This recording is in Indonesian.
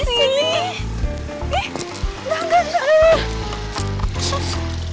ih danggan danggan